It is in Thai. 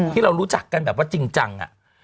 ที่เรารู้จักกันแบบว่าจริงจัง